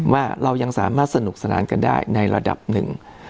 ว่าเรายังสามารถสนุกสนานกันได้ในระดับหนึ่ง